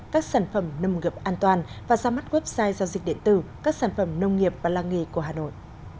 các sản phẩm nông nghiệp an toàn và ra mắt website giao dịch điện tử các sản phẩm nông nghiệp và làng nghề của hà nội